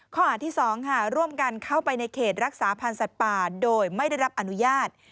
ข้อหาที่๒ค่ะร่วมกันเข้าไปในเขตรักษาพันธ์สัตว์ป่าโดยไม่ได้รับอนุญาต